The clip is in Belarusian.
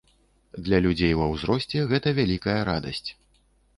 Для людзей ва ўзросце гэта вялікая радасць.